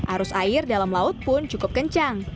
arus air dalam laut pun cukup kencang